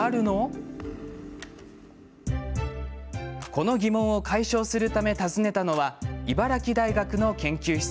この疑問を解消するため訪ねたのは茨城大学の研究室。